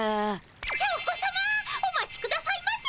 チョー子さまお待ちくださいませ。